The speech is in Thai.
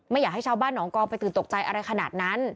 อยากให้ชาวบ้านหองกองไปตื่นตกใจอะไรขนาดนั้น